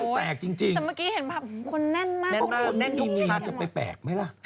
คนแน่นมากแน่นทุกชีพเพราะว่าวันนี้น่าจะไปแปลกไหมล่ะ